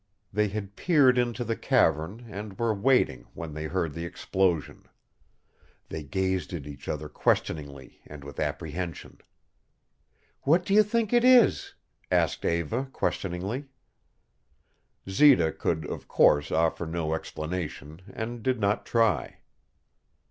They had peered into the cavern and were waiting when they heard the explosion. They gazed at each other questioningly and with apprehension. "What do you think it is?" asked Eva, questioningly. Zita could, of course, offer no explanation and did not try.